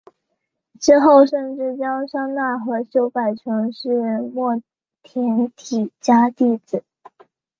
之后甚至将商那和修改成是末田底迦弟子。